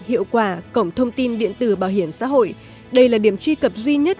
hiệu quả cổng thông tin điện tử bảo hiểm xã hội đây là điểm truy cập duy nhất